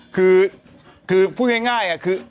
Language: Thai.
คือคือพูดง่ายอ่ะคือ